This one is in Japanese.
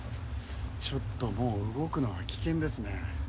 ちょっともう動くのは危険ですね。